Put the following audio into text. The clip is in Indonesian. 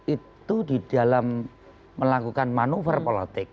itu di dalam melakukan manuver politik